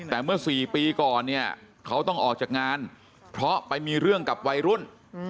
แต่เมื่อ๔ปีก่อนเนี่ยเขาต้องออกจากงานเพราะไปมีเรื่องกับวัยรุ่น